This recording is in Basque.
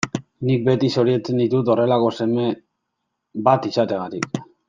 Nik beti zoriontzen ditut horrelako seme bat izateagatik.